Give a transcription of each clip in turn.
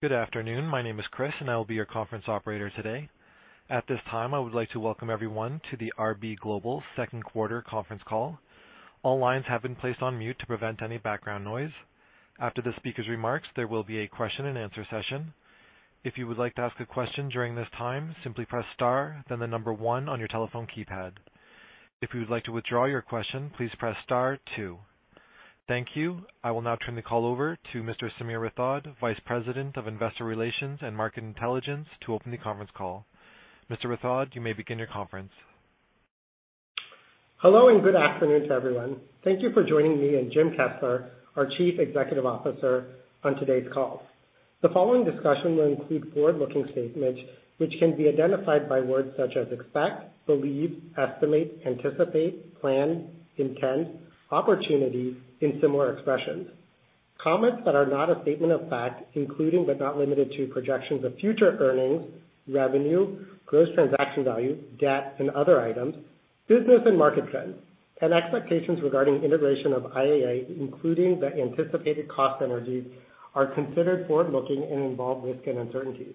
Good afternoon. My name is Chris, and I will be your conference operator today. At this time, I would like to welcome everyone to the RB Global second quarter conference call. All lines have been placed on mute to prevent any background noise. After the speaker's remarks, there will be a question-and-answer session. If you would like to ask a question during this time, simply press Star, then the number one on your telephone keypad. If you would like to withdraw your question, please press Star two. Thank you. I will now turn the call over to Mr. Sameer Rathod, Vice President of Investor Relations and Market Intelligence, to open the conference call. Mr. Rathod, you may begin your conference. Hello, good afternoon to everyone. Thank you for joining me and Jim Kessler, our Chief Executive Officer, on today's call. The following discussion will include forward-looking statements, which can be identified by words such as expect, believe, estimate, anticipate, plan, intent, opportunities, and similar expressions. Comments that are not a statement of fact, including but not limited to projections of future earnings, revenue, gross transaction value, debt, and other items, business and market trends, and expectations regarding integration of IAA, including the anticipated cost synergies, are considered forward-looking and involve risks and uncertainties.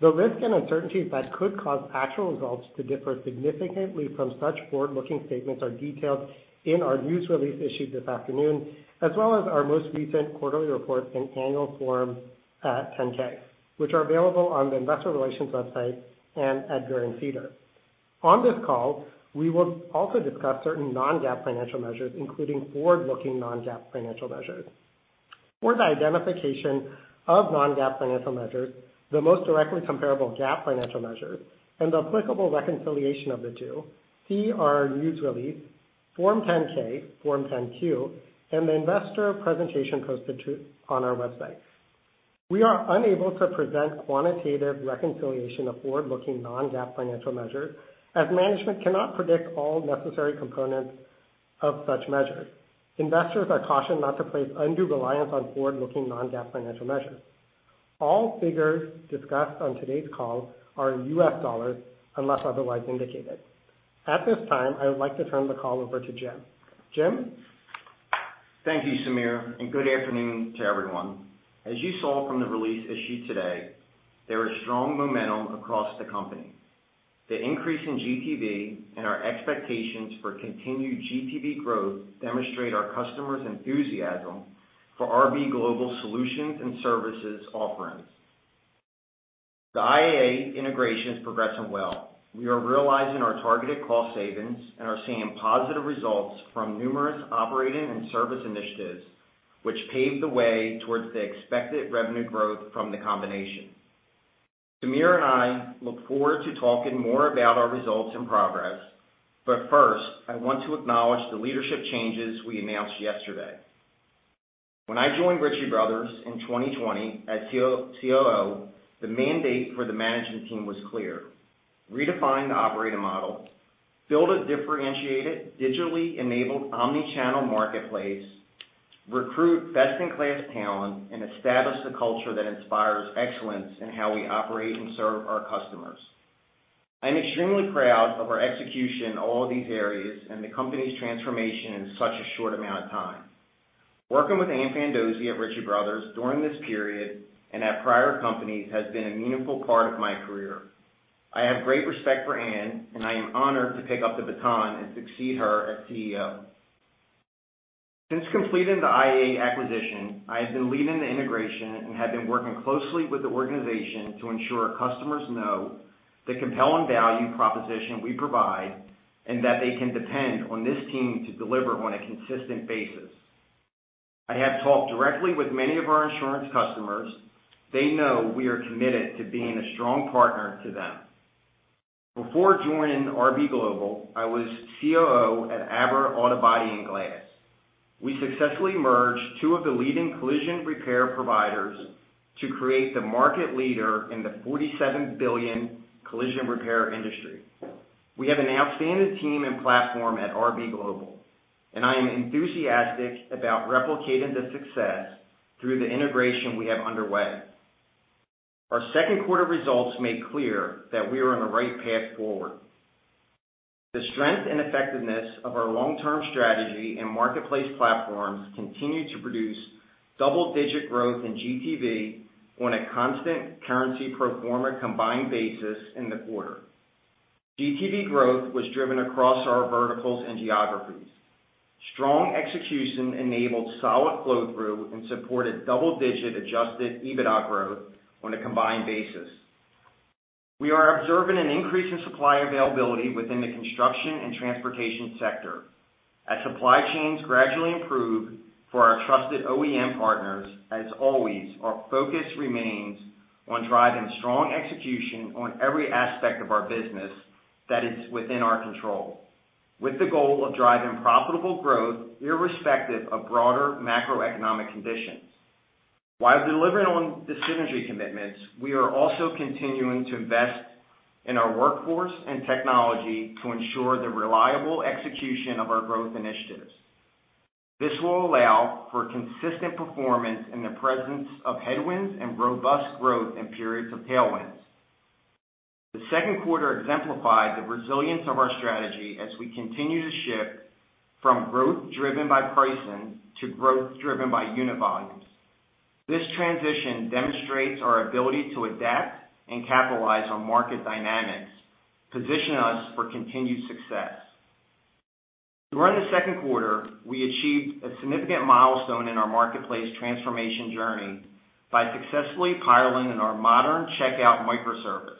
The risks and uncertainties that could cause actual results to differ significantly from such forward-looking statements are detailed in our news release issued this afternoon, as well as our most recent quarterly report and annual Form 10-K, which are available on the investor relations website and EDGAR and SEDAR. On this call, we will also discuss certain non-GAAP financial measures, including forward-looking non-GAAP financial measures. For the identification of non-GAAP financial measures, the most directly comparable GAAP financial measures, and the applicable reconciliation of the two, see our news release, Form 10-K, Form 10-Q, and the investor presentation posted on our website. We are unable to present quantitative reconciliation of forward-looking non-GAAP financial measures, as management cannot predict all necessary components of such measures. Investors are cautioned not to place undue reliance on forward-looking non-GAAP financial measures. All figures discussed on today's call are in U.S. dollars, unless otherwise indicated. At this time, I would like to turn the call over to Jim. Jim? Thank you, Sameer. Good afternoon to everyone. As you saw from the release issued today, there is strong momentum across the company. The increase in GTV and our expectations for continued GTV growth demonstrate our customers' enthusiasm for RB Global Solutions and Services offerings. The IAA integration is progressing well. We are realizing our targeted cost savings and are seeing positive results from numerous operating and service initiatives, which pave the way towards the expected revenue growth from the combination. Sameer and I look forward to talking more about our results and progress. First, I want to acknowledge the leadership changes we announced yesterday. When I joined Ritchie Bros. in 2020 as COO, the mandate for the management team was clear: redefine the operating model, build a differentiated, digitally enabled, omnichannel marketplace, recruit best-in-class talent, and establish the culture that inspires excellence in how we operate and serve our customers. I'm extremely proud of our execution in all of these areas and the company's transformation in such a short amount of time. Working with Ann Fandozzi at Ritchie Bros. during this period and at prior companies has been a meaningful part of my career. I have great respect for Ann, and I am honored to pick up the baton and succeed her as CEO. Since completing the IAA acquisition, I have been leading the integration and have been working closely with the organization to ensure our customers know the compelling value proposition we provide and that they can depend on this team to deliver on a consistent basis. I have talked directly with many of our insurance customers. They know we are committed to being a strong partner to them. Before joining RB Global, I was COO at ABRA Auto Body & Glass. We successfully merged two of the leading collision repair providers to create the market leader in the $47 billion collision repair industry. We have an outstanding team and platform at RB Global, and I am enthusiastic about replicating the success through the integration we have underway. Our second quarter results made clear that we are on the right path forward. The strength and effectiveness of our long-term strategy and marketplace platforms continued to produce double-digit growth in GTV on a constant currency pro forma combined basis in the quarter. GTV growth was driven across our verticals and geographies. Strong execution enabled solid flow-through and supported double-digit adjusted EBITDA growth on a combined basis. We are observing an increase in supply availability within the construction and transportation sector. As supply chains gradually improve for our trusted OEM partners, as always, our focus remains on driving strong execution on every aspect of our business that is within our control, with the goal of driving profitable growth, irrespective of broader macroeconomic conditions. While delivering on the synergy commitments, we are also continuing to invest in our workforce and technology to ensure the reliable execution of our growth initiatives. This will allow for consistent performance in the presence of headwinds and robust growth in periods of tailwinds. The second quarter exemplified the resilience of our strategy as we continue to shift from growth driven by pricing to growth driven by unit volumes. This transition demonstrates our ability to adapt and capitalize on market dynamics, positioning us for continued success. During the second quarter, we achieved a significant milestone in our marketplace transformation journey by successfully piloting in our modern checkout microservice.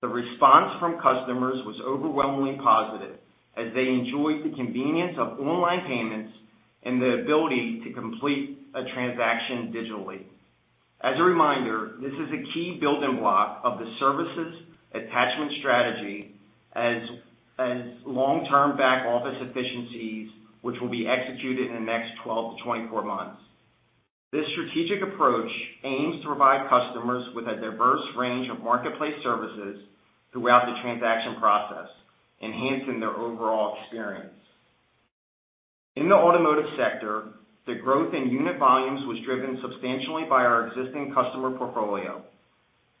The response from customers was overwhelmingly positive, as they enjoyed the convenience of online payments and the ability to complete a transaction digitally. As a reminder, this is a key building block of the services attachment strategy as long-term back-office efficiencies, which will be executed in the next 12-24 months. This strategic approach aims to provide customers with a diverse range of marketplace services throughout the transaction process, enhancing their overall customer experience. In the Automotive sector, the growth in unit volumes was driven substantially by our existing customer portfolio.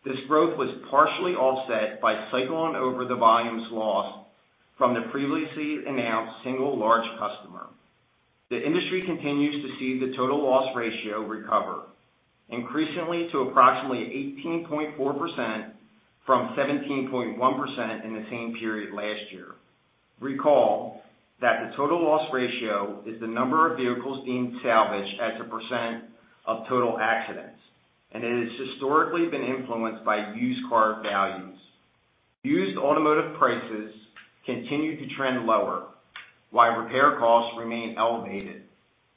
This growth was partially offset by cycling over the volumes lost from the previously announced single large customer. The industry continues to see the total loss ratio recover, increasingly to approximately 18.4% from 17.1% in the same period last year. Recall that the total loss ratio is the number of vehicles deemed salvaged as a percent of total accidents, and it has historically been influenced by used car values. Used automotive prices continue to trend lower, while repair costs remain elevated,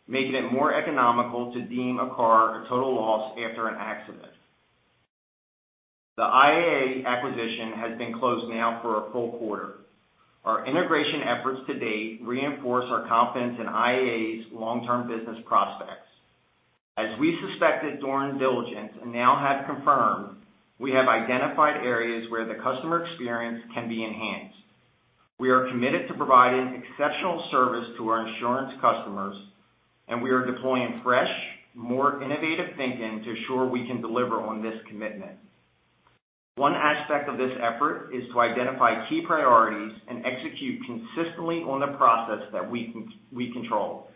making it more economical to deem a car a total loss after an accident. The IAA acquisition has been closed now for a full quarter. Our integration efforts to date reinforce our confidence in IAA's long-term business prospects. As we suspected during diligence and now have confirmed, we have identified areas where the customer experience can be enhanced. We are committed to providing exceptional service to our insurance customers. We are deploying fresh, more innovative thinking to ensure we can deliver on this commitment. One aspect of this effort is to identify key priorities and execute consistently on the process that we control.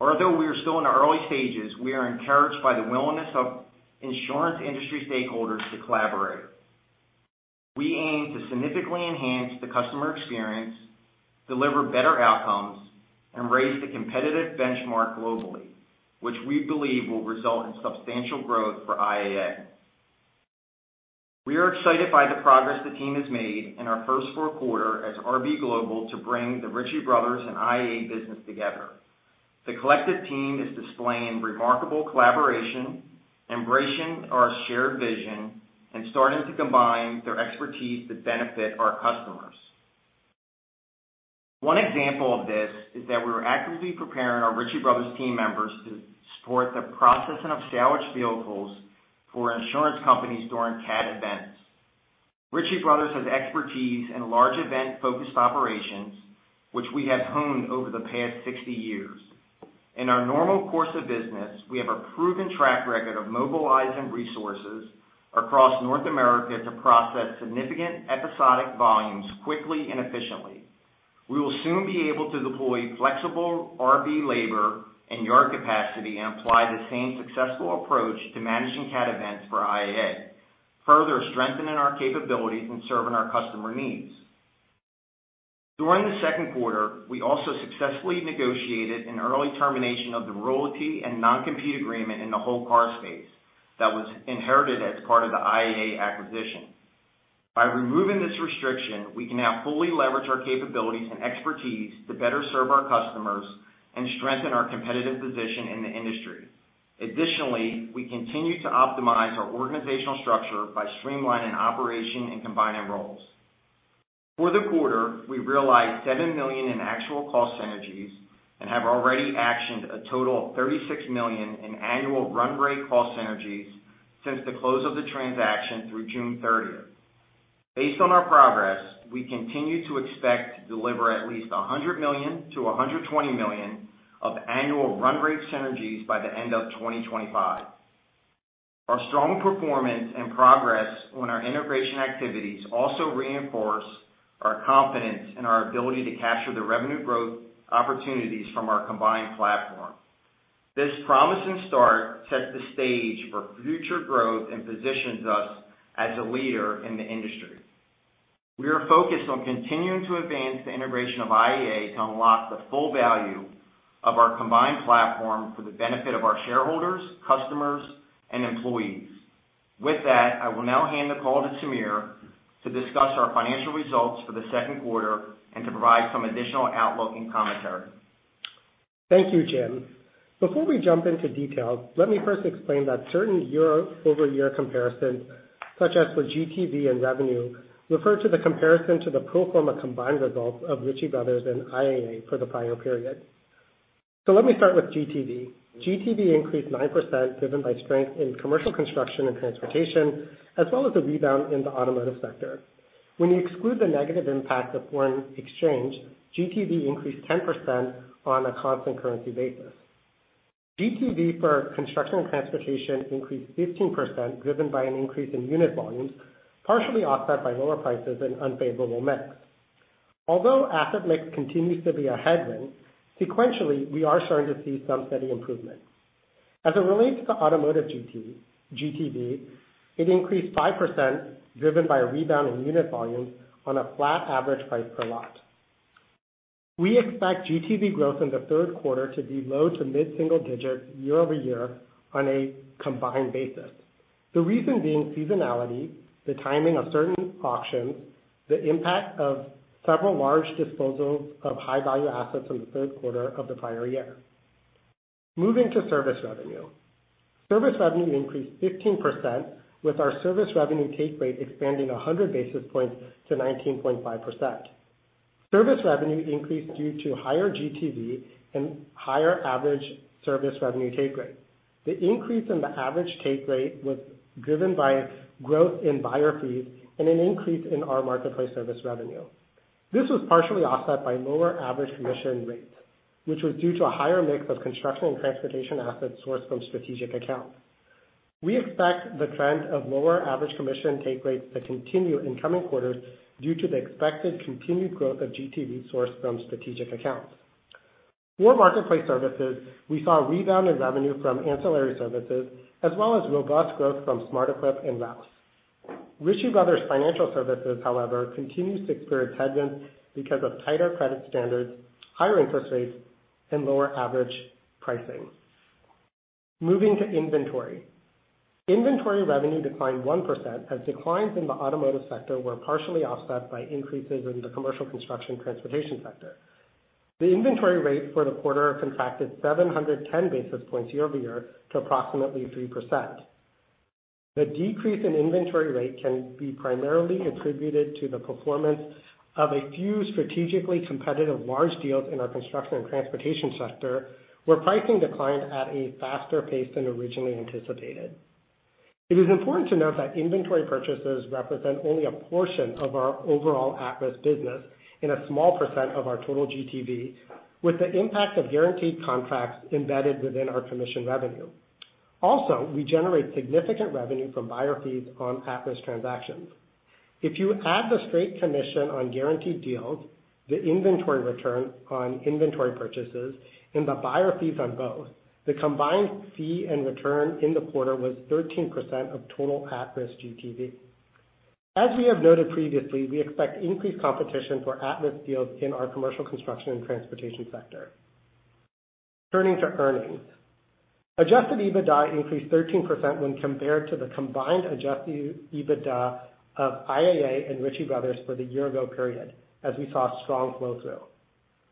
Although we are still in the early stages, we are encouraged by the willingness of insurance industry stakeholders to collaborate. We aim to significantly enhance the customer experience, deliver better outcomes, and raise the competitive benchmark globally, which we believe will result in substantial growth for IAA. We are excited by the progress the team has made in our first full quarter as RB Global to bring the Ritchie Bros. and IAA business together. The collective team is displaying remarkable collaboration, embracing our shared vision, and starting to combine their expertise to benefit our customers. One example of this is that we're actively preparing our Ritchie Bros. team members to support the processing of salvage vehicles for insurance companies during CAT events. Ritchie Bros. has expertise in large event-focused operations, which we have honed over the past 60 years. In our normal course of business, we have a proven track record of mobilizing resources across North America to process significant episodic volumes quickly and efficiently. We will soon be able to deploy flexible RB labor and yard capacity and apply the same successful approach to managing CAT events for IAA, further strengthening our capabilities in serving our customer needs. During the second quarter, we also successfully negotiated an early termination of the royalty and non-compete agreement in the whole car space that was inherited as part of the IAA acquisition. By removing this restriction, we can now fully leverage our capabilities and expertise to better serve our customers and strengthen our competitive position in the industry. Additionally, we continue to optimize our organizational structure by streamlining operations and combining roles. For the quarter, we realized $7 million in actual cost synergies and have already actioned a total of $36 million in annual run rate cost synergies since the close of the transaction through June 30th. Based on our progress, we continue to expect to deliver at least $100 million-$120 million of annual run rate synergies by the end of 2025. Our strong performance and progress on our integration activities also reinforce our confidence in our ability to capture the revenue growth opportunities from our combined platform. This promising start sets the stage for future growth and positions us as a leader in the industry. We are focused on continuing to advance the integration of IAA to unlock the full value of our combined platform for the benefit of our shareholders, customers, and employees. With that, I will now hand the call to Sameer to discuss our financial results for the second quarter and to provide some additional outlook and commentary. Thank you, Jim. Before we jump into details, let me first explain that certain year-over-year comparisons, such as for GTV and revenue, refer to the comparison to the pro forma combined results of Ritchie Bros. and IAA for the prior period. Let me start with GTV. GTV increased 9%, driven by strength in commercial construction and transportation, as well as a rebound in the automotive sector. When you exclude the negative impact of foreign exchange, GTV increased 10% on a constant currency basis. GTV for construction and transportation increased 15%, driven by an increase in unit volumes, partially offset by lower prices and unfavorable mix. Although asset mix continues to be a headwind, sequentially, we are starting to see some steady improvement. As it relates to automotive GTV, it increased 5%, driven by a rebound in unit volumes on a flat average price per lot. We expect GTV growth in the third quarter to be low to mid-single digits year-over-year on a combined basis. The reason being seasonality, the timing of certain auctions, the impact of several large disposals of high-value assets in the third quarter of the prior year. Moving to service revenue. Service revenue increased 15%, with our service revenue take rate expanding 100 basis points to 19.5%. Service revenue increased due to higher GTV and higher average service revenue take rate. The increase in the average take rate was driven by growth in buyer fees and an increase in our marketplace service revenue. This was partially offset by lower average commission rates, which was due to a higher mix of construction and transportation assets sourced from strategic accounts. We expect the trend of lower average commission take rates to continue in coming quarters due to the expected continued growth of GTV sourced from strategic accounts. For marketplace services, we saw a rebound in revenue from ancillary services, as well as robust growth from SmartEquip and REX. Ritchie Brothers Financial Services, however, continues to experience headwinds because of tighter credit standards, higher interest rates, and lower average pricing. Moving to inventory. Inventory revenue declined 1%, as declines in the automotive sector were partially offset by increases in the commercial construction transportation sector. The inventory rate for the quarter contracted 710 basis points year-over-year to approximately 3%. The decrease in inventory rate can be primarily attributed to the performance of a few strategically competitive large deals in our construction and transportation sector, where pricing declined at a faster pace than originally anticipated. It is important to note that inventory purchases represent only a portion of our overall at-risk business and a small percent of our total GTV, with the impact of guaranteed contracts embedded within our commission revenue. Also, we generate significant revenue from buyer fees on at-risk transactions. If you add the straight commission on guaranteed deals, the inventory return on inventory purchases, and the buyer fees on both, the combined fee and return in the quarter was 13% of total at-risk GTV. As we have noted previously, we expect increased competition for at-risk deals in our commercial construction and transportation sector. Turning to earnings. Adjusted EBITDA increased 13% when compared to the combined adjusted EBITDA of IAA and Ritchie Bros. for the year-ago period, as we saw strong flow-through.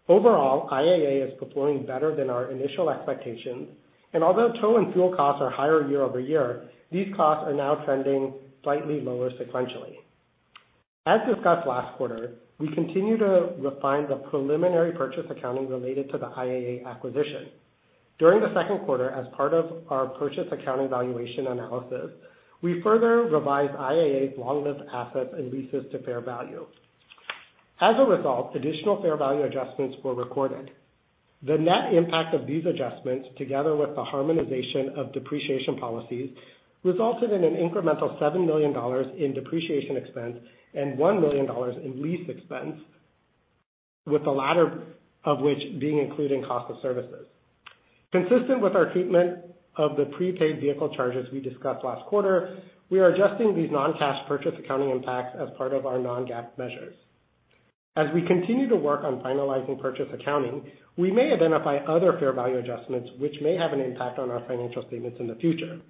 Overall, IAA is performing better than our initial expectations, and although tow and fuel costs are higher year-over-year, these costs are now trending slightly lower sequentially. As discussed last quarter, we continue to refine the preliminary purchase accounting related to the IAA acquisition. During the second quarter, as part of our purchase account evaluation analysis, we further revised IAA's long list of assets and leases to fair value. As a result, additional fair value adjustments were recorded. The net impact of these adjustments, together with the harmonization of depreciation policies, resulted in an incremental $7 million in depreciation expense and $1 million in lease expense, with the latter of which being included in cost of services. Consistent with our treatment of the prepaid vehicle charges we discussed last quarter, we are adjusting these non-cash purchase accounting impacts as part of our non-GAAP measures. As we continue to work on finalizing purchase accounting, we may identify other fair value adjustments, which may have an impact on our financial statements in the future.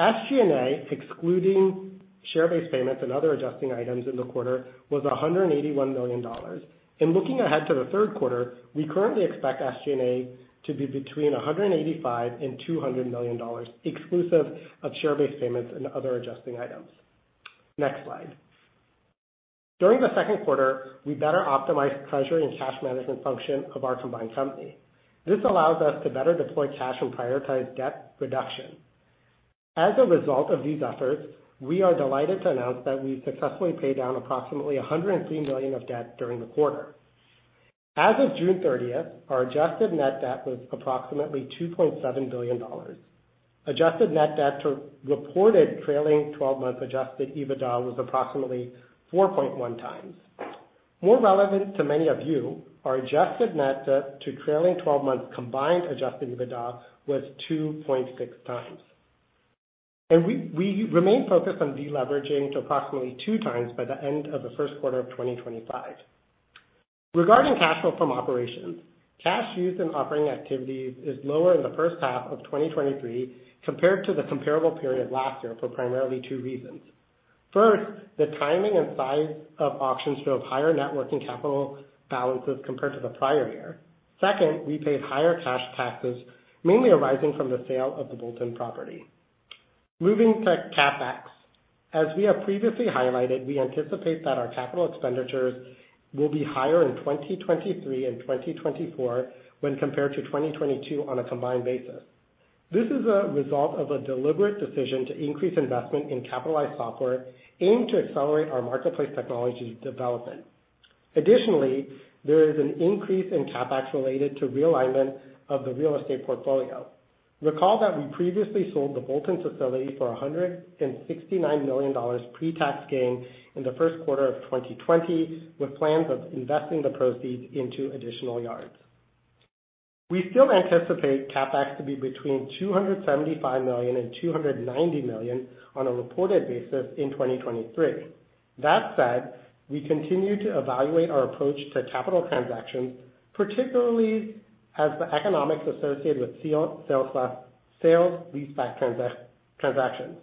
SG&A, excluding share-based payments and other adjusting items in the quarter, was $181 million. Looking ahead to the third quarter, we currently expect SG&A to be between $185 million and $200 million, exclusive of share-based payments and other adjusting items. Next slide. During the second quarter, we better optimized treasury and cash management function of our combined company. This allows us to better deploy cash and prioritize debt reduction. As a result of these efforts, we are delighted to announce that we successfully paid down approximately $103 million of debt during the quarter. As of June 30th, our adjusted net debt was approximately $2.7 billion. Adjusted net debt to reported trailing-twelve-month adjusted EBITDA was approximately 4.1x. More relevant to many of you, our adjusted net debt to trailing-twelve-month combined adjusted EBITDA was 2.6x. We remain focused on deleveraging to approximately 2x by the end of the first quarter of 2025. Regarding cash flow from operations, cash used in operating activities is lower in the first half of 2023 compared to the comparable period last year, for primarily two reasons. First, the timing and size of auctions drove higher net working capital balances compared to the prior year. We paid higher cash taxes, mainly arising from the sale of the Bolton property. Moving to CapEx. As we have previously highlighted, we anticipate that our capital expenditures will be higher in 2023 and 2024 when compared to 2022 on a combined basis. This is a result of a deliberate decision to increase investment in capitalized software aimed to accelerate our marketplace technology development. There is an increase in CapEx related to realignment of the real estate portfolio. Recall that we previously sold the Bolton facility for a $169 million pre-tax gain in the first quarter of 2020, with plans of investing the proceeds into additional yards. We still anticipate CapEx to be between $275 million and $290 million on a reported basis in 2023. That said, we continue to evaluate our approach to capital transactions, particularly as the economics associated with sale, sales, sales leaseback transactions.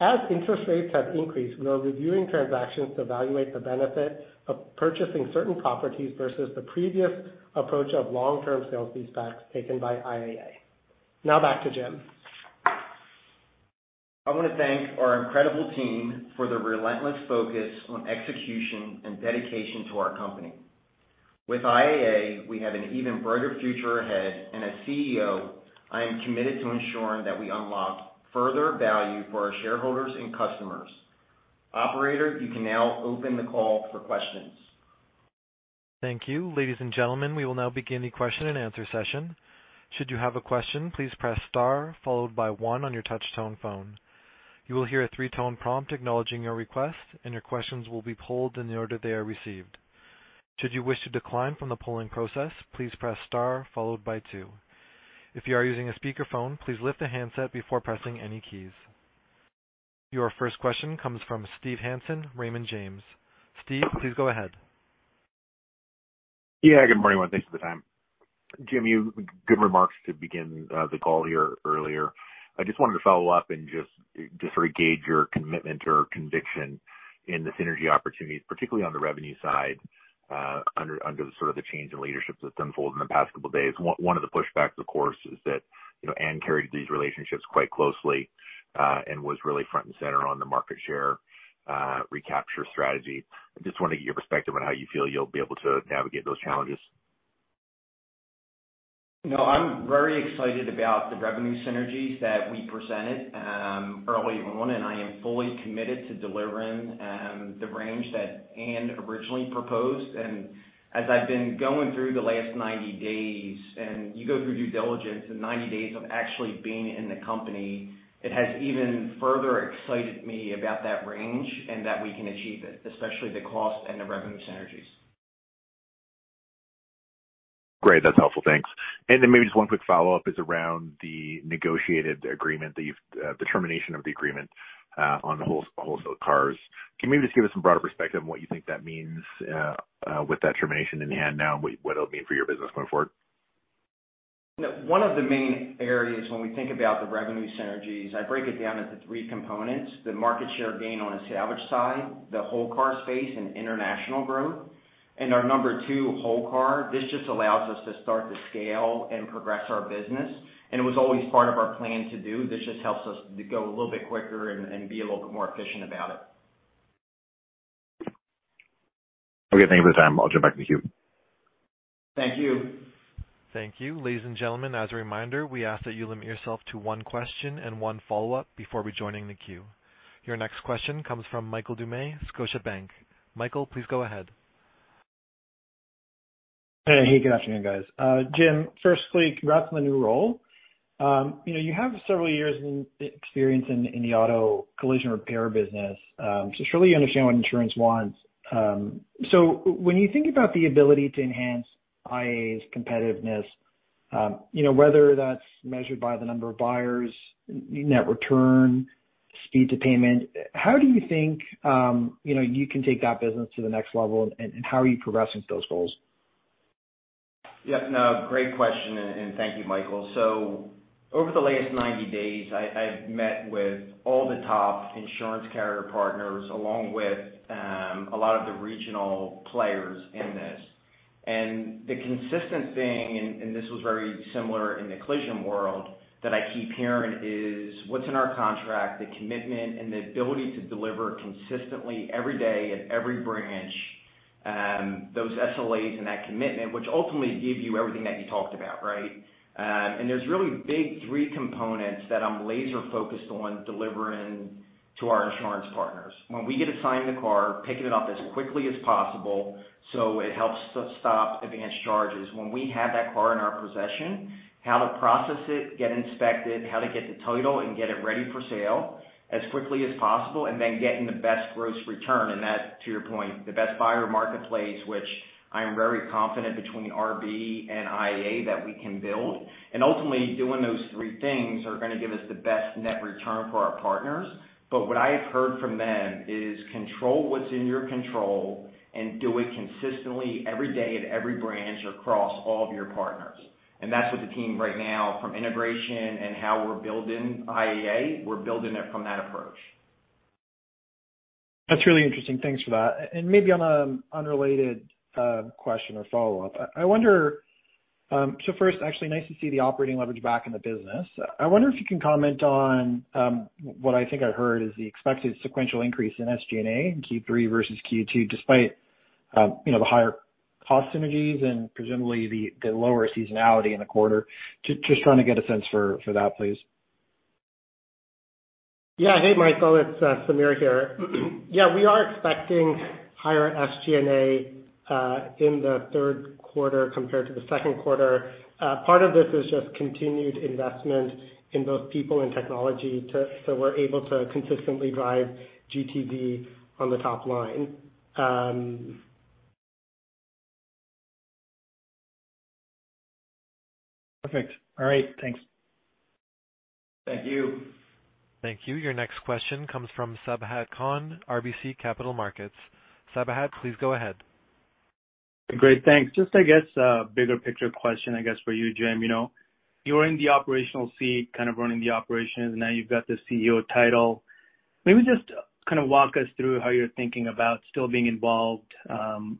As interest rates have increased, we are reviewing transactions to evaluate the benefit of purchasing certain properties versus the previous approach of long-term sales leasebacks taken by IAA. Now back to Jim. I want to thank our incredible team for their relentless focus on execution and dedication to our company. With IAA, we have an even brighter future ahead, and as CEO, I am committed to ensuring that we unlock further value for our shareholders and customers. Operator, you can now open the call for questions. Thank you. Ladies and gentlemen, we will now begin the question-and-answer session. Should you have a question, please press Star followed by one on your touch tone phone. You will hear a three-tone prompt acknowledging your request, and your questions will be polled in the order they are received. Should you wish to decline from the polling process, please press Star followed by two. If you are using a speakerphone, please lift the handset before pressing any keys. Your first question comes from Steve Hansen, Raymond James. Steve, please go ahead. Yeah, good morning, everyone. Thanks for the time. Jim, you good remarks to begin, the call here earlier. I just wanted to follow up and just, just sort of gauge your commitment or conviction in the synergy opportunities, particularly on the revenue side, under, under the sort of the change in leadership that's unfolded in the past couple days. One, one of the pushbacks, of course, is that, you know, Ann carried these relationships quite closely, and was really front and center on the market share, recapture strategy. I just wanted to get your perspective on how you feel you'll be able to navigate those challenges. No, I'm very excited about the revenue synergies that we presented, early on, and I am fully committed to delivering the range that Ann originally proposed. As I've been going through the last 90 days, and you go through due diligence and 90 days of actually being in the company, it has even further excited me about that range and that we can achieve it, especially the cost and the revenue synergies. Great. That's helpful. Thanks. Then maybe just one quick follow-up is around the negotiated agreement that you've, the termination of the agreement, on the wholesale cars. Can you maybe just give us some broader perspective on what you think that means, with that termination in hand now, what, what it'll mean for your business going forward? One of the main areas when we think about the revenue synergies, I break it down into 3 components, the market share gain on the salvage side, the whole car space and international growth. Our number 2, whole car. This just allows us to start to scale and progress our business, and it was always part of our plan to do. This just helps us to go a little bit quicker and be a little bit more efficient about it. Okay, thank you for the time. I'll jump back in the queue. Thank you. Thank you. Ladies and gentlemen, as a reminder, we ask that you limit yourself to one question and one follow-up before rejoining the queue. Your next question comes from Michael Doumet, Scotiabank. Michael, please go ahead. Hey, good afternoon, guys. Jim, firstly, congrats on the new role. You know, you have several years in, experience in, in the auto collision repair business, surely you understand what insurance wants. When you think about the ability to enhance IAA's competitiveness, you know, whether that's measured by the number of buyers, net return, speed to payment, how do you think, you know, you can take that business to the next level, and, and how are you progressing those goals? Yeah, no, great question, and thank you, Michael. Over the last 90 days, I've met with all the top insurance carrier partners, along with a lot of the regional players in this. The consistent thing, and this was very similar in the collision world, that I keep hearing is what's in our contract, the commitment and the ability to deliver consistently every day at every branch, those SLAs and that commitment, which ultimately give you everything that you talked about, right? There's really big three components that I'm laser focused on delivering to our insurance partners. When we get assigned a car, picking it up as quickly as possible, so it helps to stop advanced charges. When we have that car in our possession, how to process it, get inspected, how to get the title, and get it ready for sale as quickly as possible, and then getting the best gross return, and that, to your point, the best buyer marketplace, which I am very confident between RB and IAA, that we can build. Ultimately, doing those three things are going to give us the best net return for our partners. What I have heard from them is: control what's in your control and do it consistently every day at every branch across all of your partners. That's what the team right now, from integration and how we're building IAA, we're building it from that approach. That's really interesting. Thanks for that. Maybe on a unrelated question or follow-up, I wonder. First, actually, nice to see the operating leverage back in the business. I wonder if you can comment on what I think I heard is the expected sequential increase in SG&A in Q3 versus Q2, despite, you know, the higher cost synergies and presumably the, the lower seasonality in the quarter. Just trying to get a sense for that, please. Yeah. Hey, Michael, it's Sameer here. Yeah, we are expecting higher SG&A in the third quarter compared to the second quarter. Part of this is just continued investment in both people and technology so we're able to consistently drive GTV on the top line. Perfect. All right, thanks. Thank you. Thank you. Your next question comes from Sabahat Khan, RBC Capital Markets. Sabahat, please go ahead. Great, thanks. Just, I guess, a bigger picture question, I guess, for you, Jim. You know, you're in the operational seat, kind of, running the operations, now you've got the CEO title. Maybe just, kind of, walk us through how you're thinking about still being involved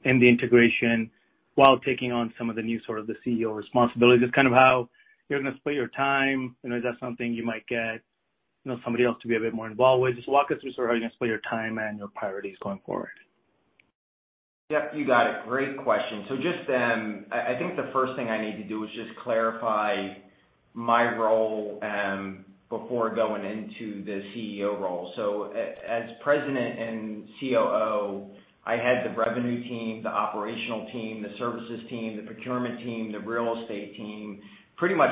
in the integration, while taking on some of the new sort of the CEO responsibilities. Just, kind of, how you're going to split your time. You know, is that something you might get, you know, somebody else to be a bit more involved with? Just walk us through sort of how you're going to split your time and your priorities going forward. Yep, you got it. Great question. I, I think the first thing I need to do is just clarify my role before going into the CEO role. As President and COO, I had the revenue team, the operational team, the services team, the procurement team, the real estate team. Pretty much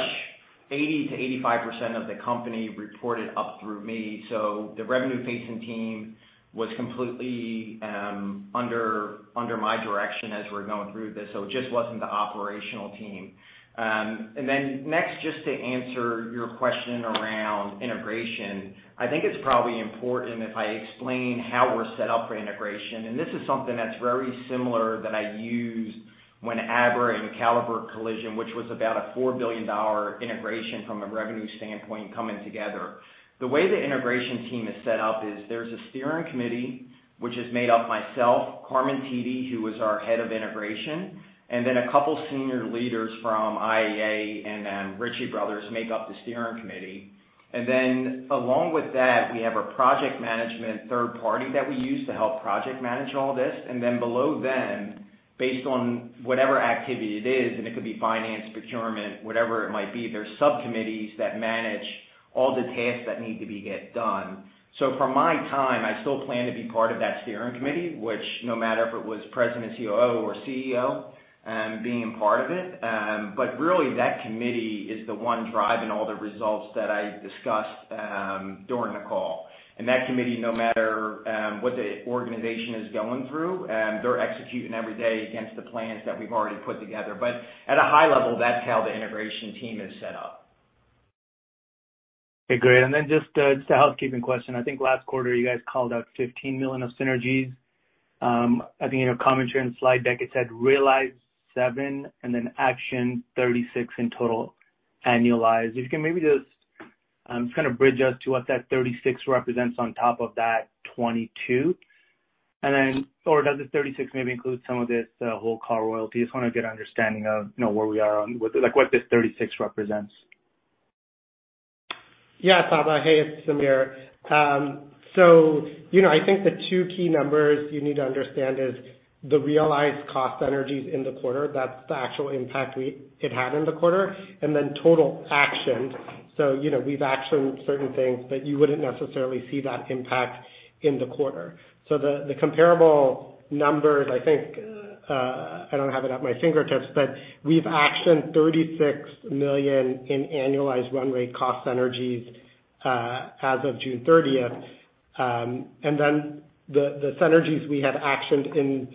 80%-85% of the company reported up through me. The revenue-facing team was completely under my direction as we're going through this, so it just wasn't the operational team. Next, just to answer your question around integration, I think it's probably important if I explain how we're set up for integration. This is something that's very similar that I used when ABRA and Caliber Collision, which was about a $4 billion integration from a revenue standpoint, coming together. The way the integration team is set up is there's a steering committee, which is made up of myself, Carmen Thiede, who is our head of integration, and then a couple senior leaders from IAA and Ritchie Bros. make up the steering committee. Along with that, we have a project management third party that we use to help project manage all this. Below them, based on whatever activity it is, and it could be finance, procurement, whatever it might be, there's subcommittees that manage all the tasks that need to be get done. From my time, I still plan to be part of that steering committee, which no matter if it was President, COO or CEO, being part of it. Really, that committee is the one driving all the results that I discussed during the call. That committee, no matter, what the organization is going through, they're executing every day against the plans that we've already put together. At a high level, that's how the integration team is set up. Okay, great. Just a, just a housekeeping question. I think last quarter you guys called out $15 million of synergies. I think in a commentary and slide deck, it said, Realized $7 million, and then actioned $36 million in total, annualized. If you can maybe just, kind of, bridge us to what that $36 million represents on top of that 22. Or does the $36 million maybe include some of this whole car royalty? I just want to get an understanding of, you know, where we are on like, what this $36 million represents. Yeah, Sabahat. Hey, it's Sameer. You know, I think the 2 key numbers you need to understand is the realized cost synergies in the quarter. That's the actual impact it had in the quarter, and then total actioned. You know, we've actioned certain things, but you wouldn't necessarily see that impact in the quarter. The, the comparable numbers, I think, I don't have it at my fingertips, but we've actioned $36 million in annualized run rate cost synergies as of June 30th. Then the, the synergies we have actioned in,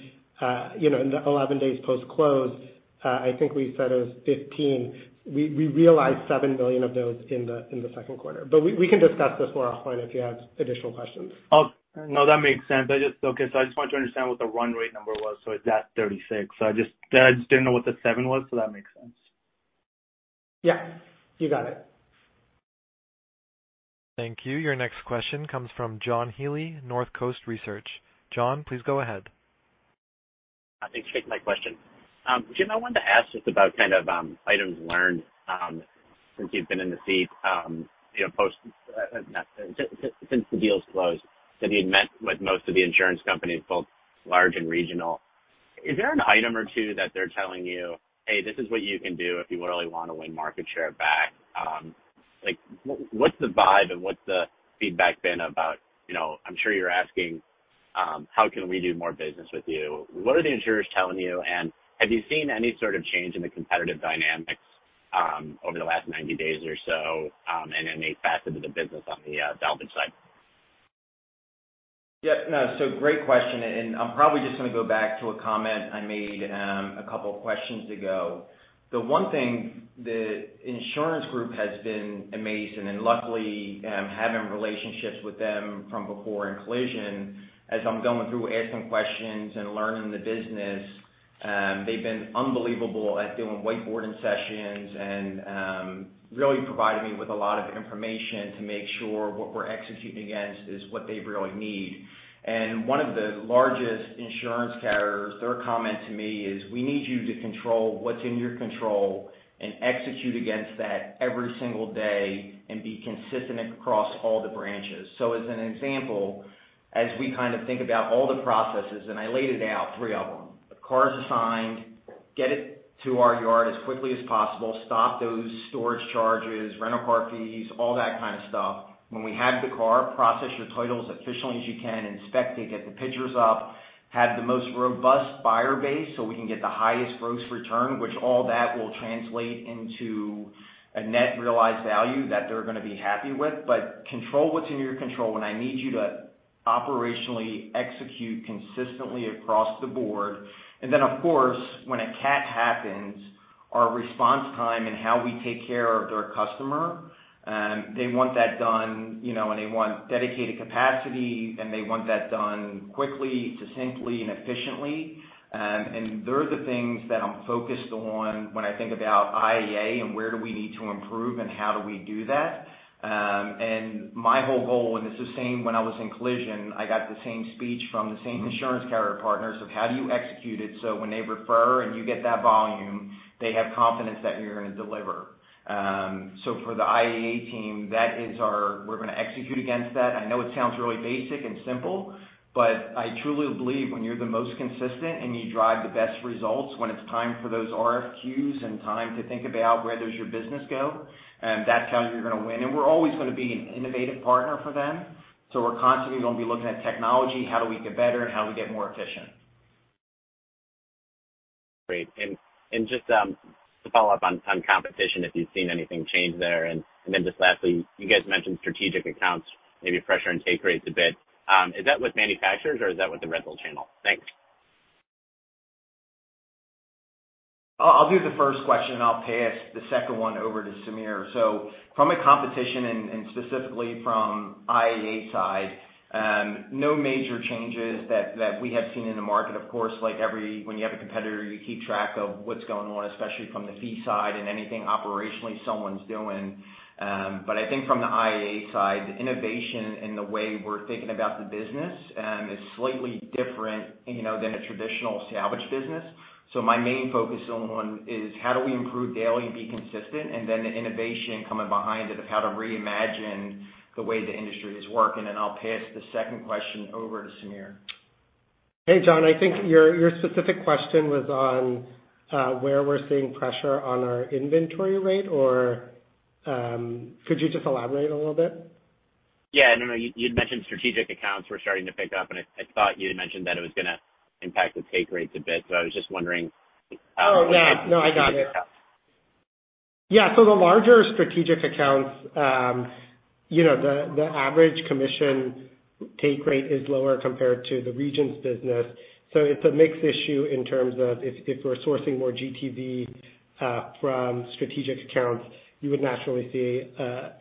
you know, in the 11 days post-close, I think we said it was 15. We realized $7 million of those in the, in the second quarter. We can discuss this more offline if you have additional questions. Oh, no, that makes sense. I just. Okay, I just wanted to understand what the run rate number was, it's at $36 million. I just, I just didn't know what the $7 million was, so that makes sense. Yeah, you got it. Thank you. Your next question comes from John Healy, North Coast Research. John, please go ahead. Thanks for taking my question. Jim, I wanted to ask just about kind of, items learned, since you've been in the seat, you know, post- since the deal's closed. You'd met with most of the insurance companies, both large and regional. Is there an item or two that they're telling you, Hey, this is what you can do if you really want to win market share back? Like, what's the vibe and what's the feedback been about? You know, I'm sure you're asking, how can we do more business with you? What are the insurers telling you? Have you seen any sort of change in the competitive dynamics, over the last 90 days or so, and any facets of the business on the damage side? Yeah, no, great question, and I'm probably just gonna go back to a comment I made, a couple of questions ago. The one thing, the insurance group has been amazing and luckily, having relationships with them from before in Collision, as I'm going through asking questions and learning the business, they've been unbelievable at doing whiteboarding sessions and really providing me with a lot of information to make sure what we're executing against is what they really need. One of the largest insurance carriers, their comment to me is: We need you to control what's in your control and execute against that every single day and be consistent across all the branches. As an example, as we kind of think about all the processes, and I laid it out, 3 of them, the cars assigned. get it to our yard as quickly as possible, stop those storage charges, rental car fees, all that kind of stuff. When we have the car, process your titles as efficiently as you can, inspect it, get the pictures up, have the most robust buyer base, so we can get the highest gross return, which all that will translate into a net realized value that they're gonna be happy with. Control what's in your control, and I need you to operationally execute consistently across the board. Then, of course, when a CAT happens, our response time and how we take care of their customer, you know, and they want dedicated capacity, and they want that done quickly, succinctly, and efficiently. They're the things that I'm focused on when I think about IAA and where do we need to improve and how do we do that. My whole goal, and it's the same when I was in collision, I got the same speech from the same insurance carrier partners of how do you execute it, so when they refer and you get that volume, they have confidence that you're gonna deliver. For the IAA team, that is our we're gonna execute against that. I know it sounds really basic and simple, but I truly believe when you're the most consistent and you drive the best results, when it's time for those RFQs and time to think about where does your business go, that's how you're gonna win. We're always gonna be an innovative partner for them. we're constantly gonna be looking at technology, how do we get better, and how we get more efficient. Great. And just, to follow-up on, on competition, if you've seen anything change there? Just lastly, you guys mentioned strategic accounts, maybe pressure and take rates a bit. Is that with manufacturers or is that with the rental channel? Thanks. I'll, I'll do the first question, and I'll pass the second one over to Sameer. From a competition and, and specifically from IAA side, no major changes that we have seen in the market. Of course, like when you have a competitor, you keep track of what's going on, especially from the fee side and anything operationally someone's doing. But I think from the IAA side, the innovation and the way we're thinking about the business, is slightly different, you know, than a traditional salvage business. My main focus on one is how do we improve daily and be consistent, and then the innovation coming behind it of how to reimagine the way the industry is working. I'll pass the second question over to Sameer. Hey, John, I think your, your specific question was on, where we're seeing pressure on our inventory rate, or, could you just elaborate a little bit? Yeah. No, no, you, you'd mentioned strategic accounts were starting to pick up, and I, I thought you had mentioned that it was gonna impact the take rates a bit. I was just wondering. Oh, yeah. No, I got it. Yeah. The larger strategic accounts, you know, the average commission take rate is lower compared to the regions business. It's a mixed issue in terms of if, if we're sourcing more GTV from strategic accounts, you would naturally see,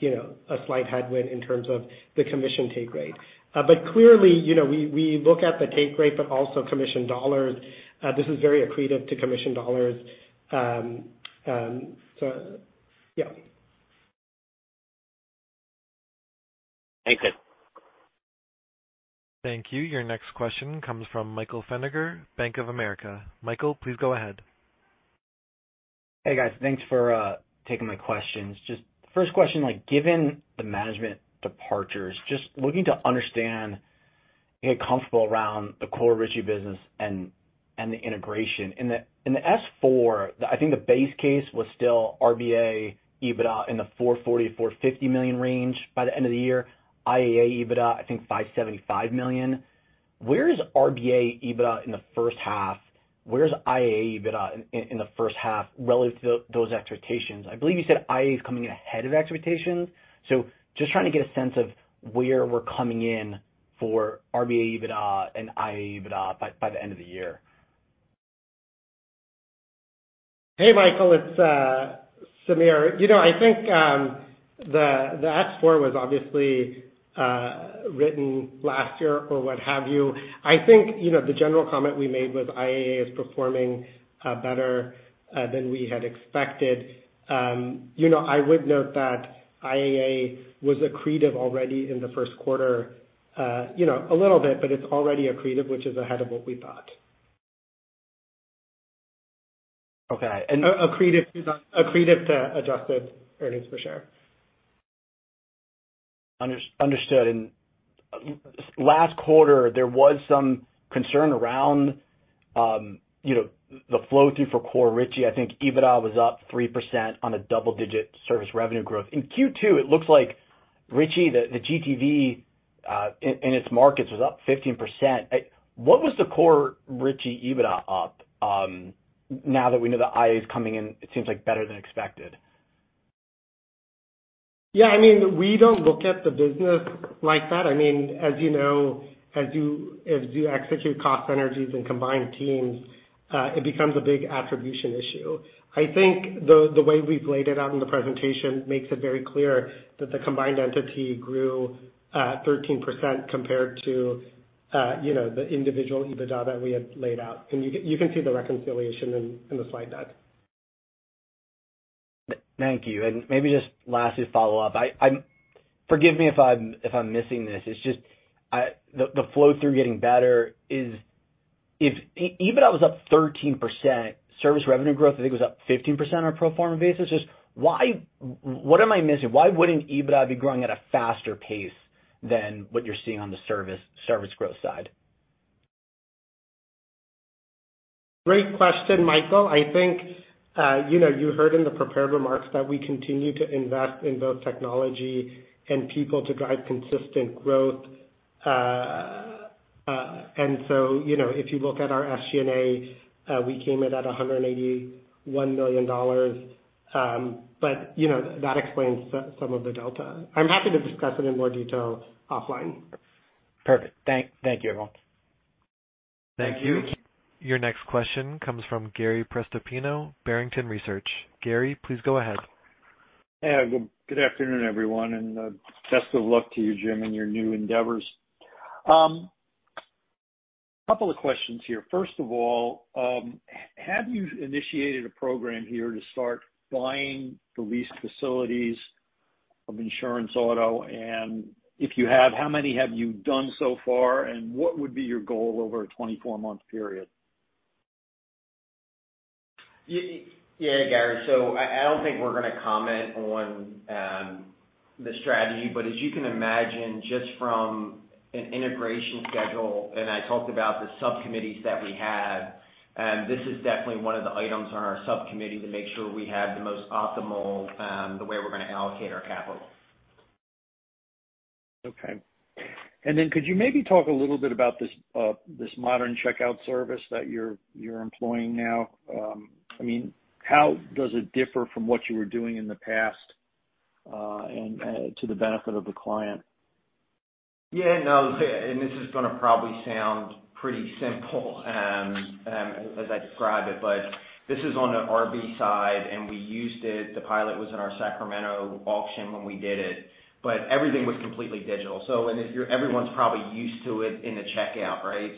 you know, a slight headwind in terms of the commission take rate. Clearly, you know, we look at the take rate, but also commission dollars. This is very accretive to commission dollars. Yeah. Thank you. Thank you. Your next question comes from Michael Feniger, Bank of America. Michael, please go ahead. Hey, guys. Thanks for taking my questions. Just first question, like, given the management departures, just looking to understand and get comfortable around the core Ritchie business and the integration. In the S4, I think the base case was still RBA EBITDA in the $440 million-$450 million range by the end of the year. IAA EBITDA, I think $575 million. Where is RBA EBITDA in the first half? Where's IAA EBITDA in the first half relative to those expectations? I believe you said IAA is coming in ahead of expectations. Just trying to get a sense of where we're coming in for RBA EBITDA and IAA EBITDA by the end of the year. Hey, Michael, it's Sameer. You know, I think the, the S4 was obviously written last year or what have you. I think, you know, the general comment we made was IAA is performing better than we had expected. You know, I would note that IAA was accretive already in the first quarter, you know, a little bit, but it's already accretive, which is ahead of what we thought. Okay. Accretive, accretive to adjusted earnings per share. Understood. Last quarter, there was some concern around, you know, the flow-through for core Ritchie. I think EBITDA was up 3% on a double-digit service revenue growth. In Q2, it looks like Ritchie, the GTV in its markets was up 15%. What was the core Ritchie EBITDA up, now that we know the IAA is coming in, it seems like better than expected? Yeah, I mean, we don't look at the business like that. I mean, as you know, as you, as you execute cost synergies and combine teams, it becomes a big attribution issue. I think the, the way we've laid it out in the presentation makes it very clear that the combined entity grew, 13% compared to, you know, the individual EBITDA that we had laid out. You can, you can see the reconciliation in, in the slide deck. thank you. Maybe just lastly, to follow up. Forgive me if I'm missing this, it's just, the flow-through getting better is if EBITDA was up 13%, service revenue growth, I think, was up 15% on a pro forma basis. Just what am I missing? Why wouldn't EBITDA be growing at a faster pace than what you're seeing on the service, service growth side? Great question, Michael. I think, you know, you heard in the prepared remarks that we continue to invest in both technology and people to drive consistent growth. You know, if you look at our SG&A, we came in at $181 million. You know, that explains some, some of the delta. I'm happy to discuss it in more detail offline. Perfect. Thank you, everyone. Thank you. Your next question comes from Gary Prestopino, Barrington Research. Gary, please go ahead. Hey, good afternoon, everyone, and best of luck to you, Jim, in your new endeavors. Couple of questions here. First of all, have you initiated a program here to start buying the leased facilities of insurance auto? If you have, how many have you done so far, and what would be your goal over a 24-month period? Yeah, Gary. I, I don't think we're going to comment on the strategy, but as you can imagine, just from an integration schedule, and I talked about the subcommittees that we have, and this is definitely one of the items on our subcommittee to make sure we have the most optimal the way we're going to allocate our capital. Okay. Then could you maybe talk a little bit about this, this modern checkout service that you're, you're employing now? I mean, how does it differ from what you were doing in the past, and, to the benefit of the client? Yeah, no, this is going to probably sound pretty simple as I describe it, but this is on the RB side, and we used it. The pilot was in our Sacramento auction when we did it, but everything was completely digital. If you're-- everyone's probably used to it in the checkout, right?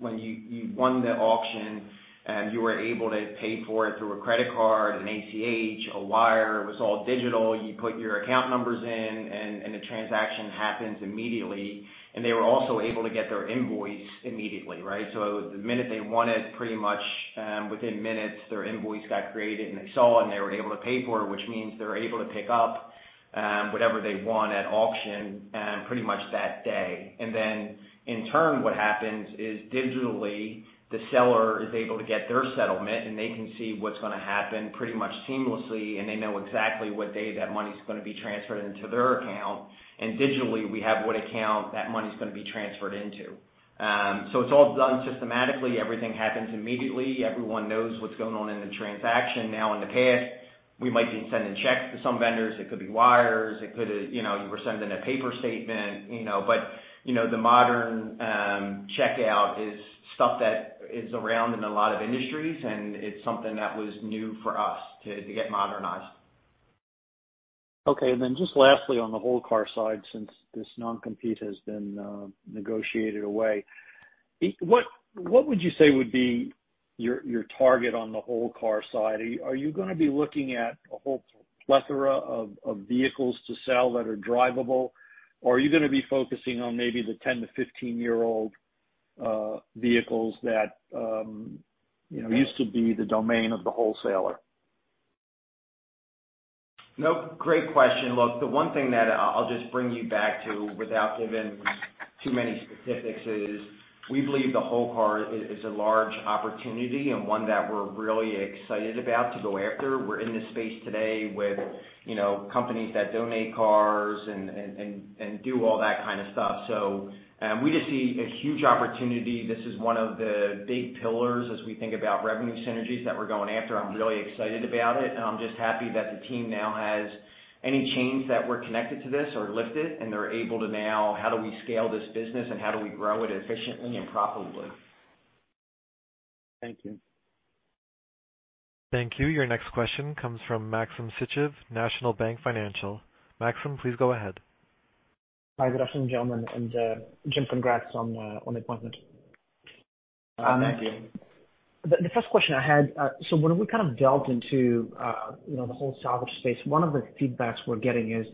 When you won the auction, you were able to pay for it through a credit card, an ACH, a wire, it was all digital. You put your account numbers in, and the transaction happens immediately, and they were also able to get their invoice immediately, right? The minute they won it, pretty much, within minutes, their invoice got created, and they saw it, and they were able to pay for it, which means they're able to pick up whatever they want at auction pretty much that day. In turn, what happens is, digitally, the seller is able to get their settlement, and they can see what's going to happen pretty much seamlessly, and they know exactly what day that money's going to be transferred into their account. Digitally, we have what account that money's going to be transferred into. It's all done systematically. Everything happens immediately. Everyone knows what's going on in the transaction. Now, in the past, we might be sending checks to some vendors. It could be wires, it could, you know, you were sending a paper statement, you know. You know, the modern checkout is stuff that is around in a lot of industries, and it's something that was new for us to, to get modernized. Okay. Then just lastly, on the whole car side, since this non-compete has been negotiated away, what, what would you say would be your, your target on the whole car side? Are you going to be looking at a whole plethora of, of vehicles to sell that are drivable, or are you going to be focusing on maybe the 10-15-year-old vehicles that, you know, used to be the domain of the wholesaler? Nope. Great question. Look, the one thing that I'll just bring you back to, without giving too many specifics, is we believe the whole car is, is a large opportunity and one that we're really excited about to go after. We're in this space today with, you know, companies that donate cars and, and, and, and do all that kind of stuff. We just see a huge opportunity. This is one of the big pillars as we think about revenue synergies that we're going after. I'm really excited about it, and I'm just happy that the team now has any chains that were connected to this are lifted, and they're able to now, how do we scale this business and how do we grow it efficiently and profitably? Thank you. Thank you. Your next question comes from Maxim Sytchev, National Bank Financial. Maxim, please go ahead. Hi, good afternoon, gentlemen, and Jim, congrats on the appointment. Thank you. The first question I had, when we kind of delved into, you know, the whole salvage space, one of the feedbacks we're getting is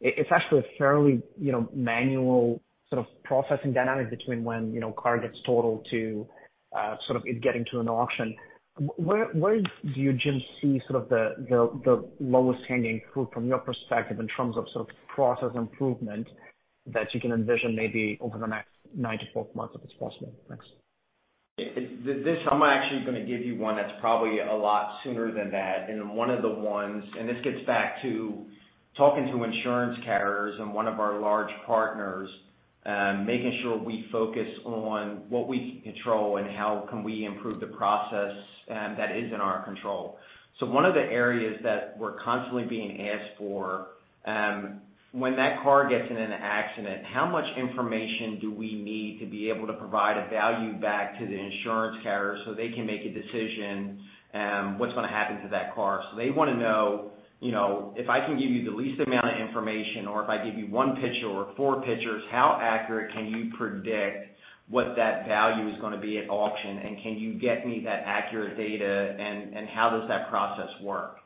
it's actually a fairly, you know, manual sort of processing dynamic between when, you know, car gets totaled to sort of it getting to an auction. Where do you, Jim, see sort of the lowest hanging fruit from your perspective in terms of sort of process improvement that you can envision maybe over the next 9-12 months, if it's possible? Thanks. This. I'm actually going to give you one that's probably a lot sooner than that. One of the ones, and this gets back to talking to insurance carriers and one of our large partners, making sure we focus on what we can control and how can we improve the process, that is in our control. One of the areas that we're constantly being asked for, when that car gets in an accident, how much information do we need to be able to provide a value back to the insurance carrier so they can make a decision, what's going to happen to that car? They want to know, you know, if I can give you the least amount of information, or if I give you 1 picture or 4 pictures, how accurate can you predict what that value is going to be at auction, and can you get me that accurate data, and, and how does that process work?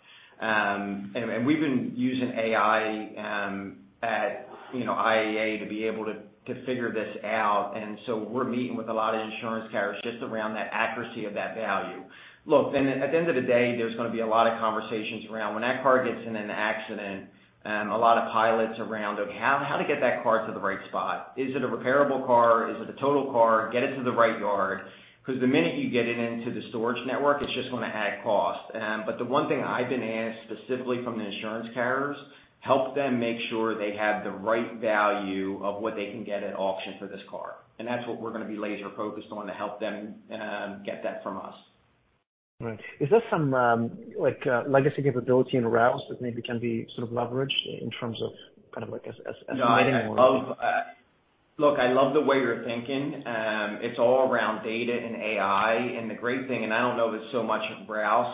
We've been using AI, at, you know, IAA to be able to, to figure this out, and so we're meeting with a lot of insurance carriers just around that accuracy of that value. Look, at the end of the day, there's going to be a lot of conversations around when that car gets in an accident. A lot of pilots around of how, how to get that car to the right spot. Is it a repairable car? Is it a total car? Get it to the right yard, because the minute you get it into the storage network, it's just going to add cost. The one thing I've been asked specifically from the insurance carriers, help them make sure they have the right value of what they can get at auction for this car. That's what we're going to be laser focused on, to help them get that from us. Right. Is there some, like, legacy capability in Rouse that maybe can be sort of leveraged in terms of kind of like? No, I love. Look, I love the way you're thinking. It's all around data and AI. The great thing, and I don't know if it's so much of Ritchie Bros.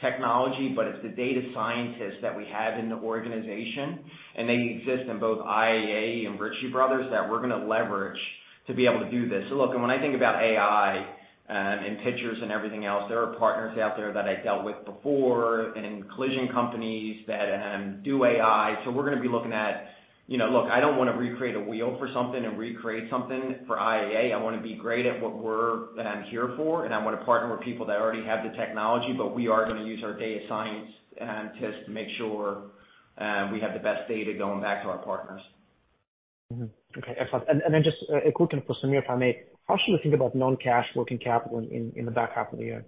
technology, but it's the data scientists that we have in the organization, and they exist in both IAA and Ritchie Bros., that we're going to leverage to be able to do this. Look, when I think about AI, and pictures and everything else, there are partners out there that I dealt with before and collision companies that do AI. We're going to be looking at, you know, look, I don't want to recreate a wheel for something and recreate something for IAA. I want to be great at what we're here for. I want to partner with people that already have the technology. We are going to use our data scientists to make sure we have the best data going back to our partners. Okay, excellent. Then just, a quick one for Sameer, if I may: How should we think about non-cash working capital in, in the back half of the year?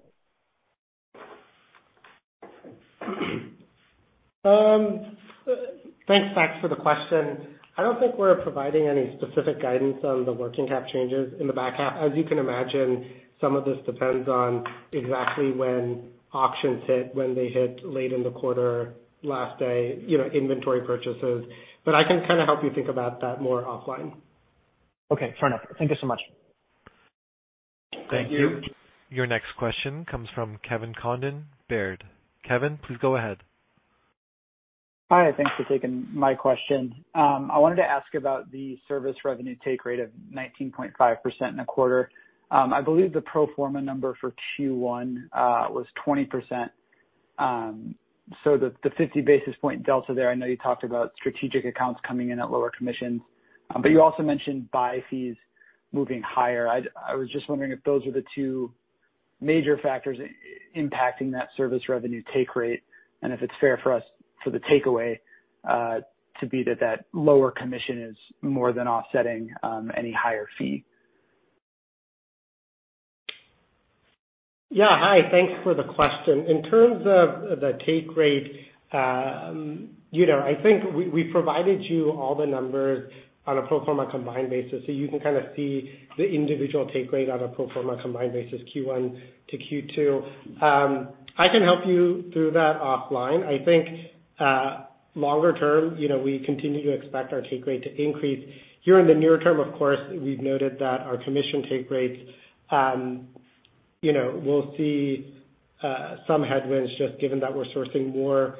Thanks, Max, for the question. I don't think we're providing any specific guidance on the working cap changes in the back half. As you can imagine, some of this depends on exactly when auctions hit, when they hit late in the quarter, last day, you know, inventory purchases. I can kind of help you think about that more offline. Okay, fair enough. Thank you so much. Thank you. Thank you. Your next question comes from Kevin Condon, Baird. Kevin, please go ahead. Hi, thanks for taking my question. I wanted to ask about the service revenue take rate of 19.5% in the quarter. I believe the pro forma number for Q1 was 20%. The 50 basis point delta there, I know you talked about strategic accounts coming in at lower commissions, but you also mentioned buy fees moving higher. I was just wondering if those are the two major factors impacting that service revenue take rate, and if it's fair for us, for the takeaway, to be that, that lower commission is more than offsetting, any higher fee? Yeah, hi, thanks for the question. In terms of the take rate, you know, I think we, we provided you all the numbers on a pro forma combined basis, so you can kind of see the individual take rate on a pro forma combined basis, Q1-Q2. I can help you through that offline. I think, longer-term, you know, we continue to expect our take rate to increase. Here in the near-term, of course, we've noted that our commission take rates, you know, we'll see some headwinds, just given that we're sourcing more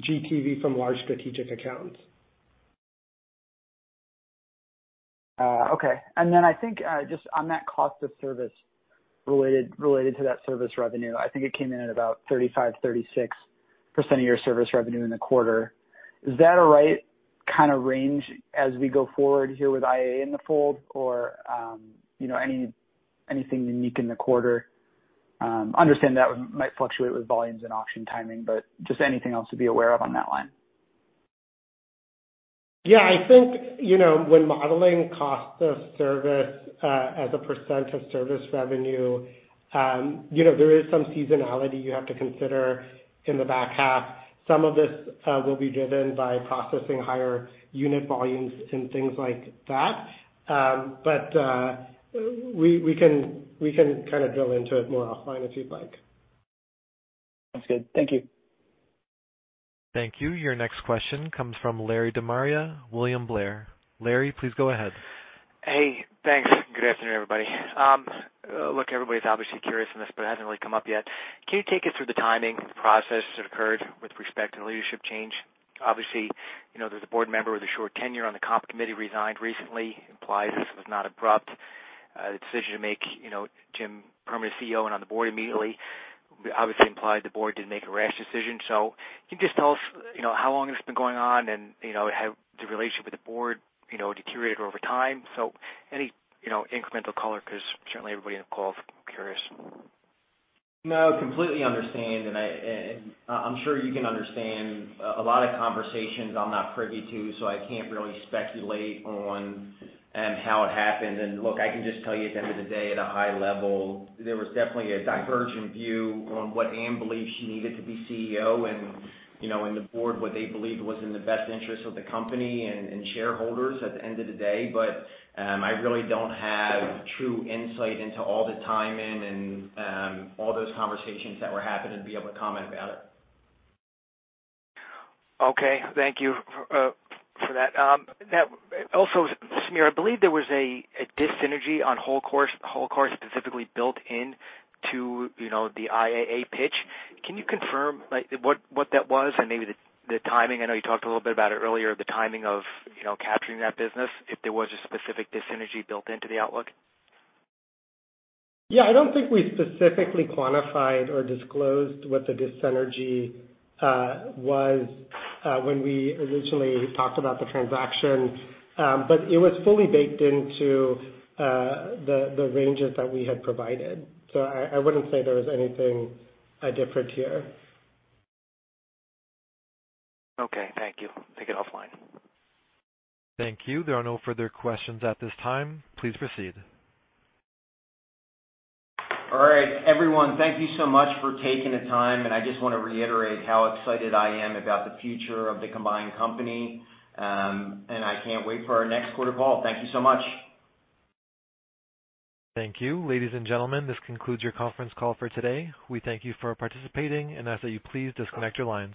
GTV from large strategic accounts. Okay. I think, just on that cost of service related, related to that service revenue, I think it came in at about 35%-36% of your service revenue in the quarter. Is that a right kind of range as we go forward here with IAA in the fold? You know, anything unique in the quarter? Understand that might fluctuate with volumes and auction timing, but just anything else to be aware of on that line. Yeah, I think, you know, when modeling cost of service, as a percent of service revenue, you know, there is some seasonality you have to consider in the back half. Some of this will be driven by processing higher unit volumes and things like that. We, we can, we can kind of drill into it more offline if you'd like. That's good. Thank you. Thank you. Your next question comes from Larry DeMaria, William Blair. Larry, please go ahead. Hey, thanks. Good afternoon, everybody. Look, everybody's obviously curious on this, but it hasn't really come up yet. Can you take us through the timing, the process that occurred with respect to the leadership change? Obviously, you know, there's a board member with a short tenure on the comp committee resigned recently, implies this was not abrupt. The decision to make, you know, Jim permanent CEO and on the board immediately, obviously implied the board didn't make a rash decision. Can you just tell us, you know, how long this has been going on, and, you know, have the relationship with the board, you know, deteriorated over time? Any, you know, incremental color, because certainly everybody on the call is curious. No, completely understand. I, and I'm sure you can understand, a lot of conversations I'm not privy to, so I can't really speculate on how it happened. Look, I can just tell you at the end of the day, at a high level, there was definitely a divergent view on what Ann believed she needed to be CEO and, you know, and the Board, what they believed was in the best interest of the company and shareholders at the end of the day. I really don't have true insight into all the timing and all those conversations that were happening to be able to comment about it. Okay. Thank you for that. Also, Sameer, I believe there was a, a dissynergy on whole car space, whole car space specifically built in to, you know, the IAA pitch. Can you confirm, like, what, what that was and maybe the, the timing? I know you talked a little bit about it earlier, the timing of, you know, capturing that business, if there was a specific dissynergy built into the outlook. Yeah, I don't think we specifically quantified or disclosed what the dissynergy was when we originally talked about the transaction, but it was fully baked into the ranges that we had provided. I wouldn't say there was anything different here. Okay. Thank you. Take it offline. Thank you. There are no further questions at this time. Please proceed. All right, everyone, thank you so much for taking the time. I just want to reiterate how excited I am about the future of the combined company. I can't wait for our next quarter call. Thank you so much. Thank you. Ladies and gentlemen, this concludes your conference call for today. We thank you for participating, and ask that you please disconnect your lines.